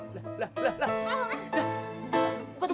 lah lah lah